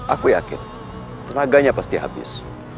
aku yakin tenaganya pasti habis